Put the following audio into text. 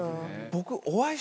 僕。